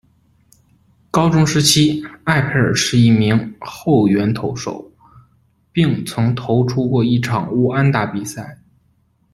高中时期，艾佩尔是一名后援投手，并曾投出过一场无安打比赛。